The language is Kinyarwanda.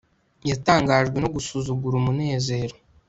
Yatangajwe no gusuzugura umunezero